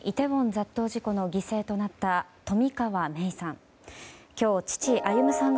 雑踏事故の犠牲となった冨川芽生さん。